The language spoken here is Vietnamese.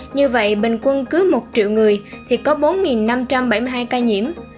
như vậy bình quân cứ một triệu người thì có bốn năm trăm bảy mươi hai ca nhiễm